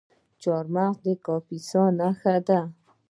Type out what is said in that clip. چهارمغز د کاپیسا نښه ده.